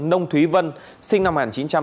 nông thúy vân sinh năm một nghìn chín trăm tám mươi